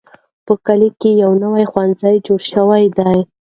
په کلي کې یو نوی ښوونځی جوړ شوی دی.